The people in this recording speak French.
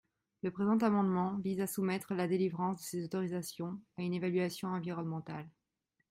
Le présent amendement vise à soumettre la délivrance de ces autorisations à une évaluation environnementale.